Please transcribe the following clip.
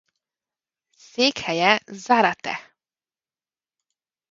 Székhelye Zárate.